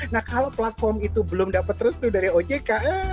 nah kalau platform itu belum dapat restu dari ojk